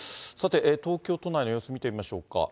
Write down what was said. さて、東京都内の様子、見てみましょうか。